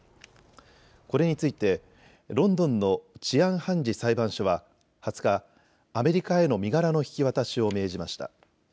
これについてロンドンの治安判事裁判所は２０日、アメリカへの身柄の引き渡しを命じました。